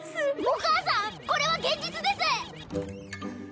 お母さんこれは現実です！